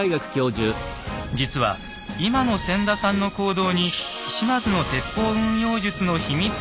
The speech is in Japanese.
実は今の千田さんの行動に島津の鉄砲運用術の秘密が隠されているといいます。